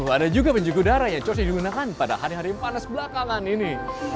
ada juga penyuku darah yang cosi digunakan pada hari hari panas belakangan ini